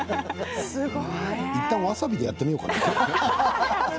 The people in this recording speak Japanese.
いったん、わさびでやってしまおうかな。